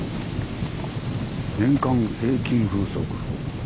年間平均風速。